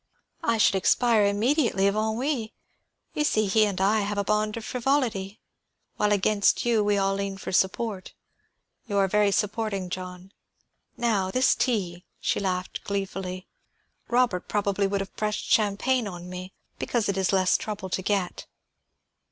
"I should expire immediately of ennui. You see, he and I have a bond of frivolity; while against you we all lean for support. You are very supporting, John; now, this tea," she laughed gleefully. "Robert probably would have pressed champagne upon me, because it is less trouble to get."